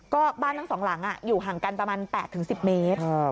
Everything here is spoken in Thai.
ก็บ้านทั้งสองหลังอยู่ห่างกันประมาณ๘๑๐เมตร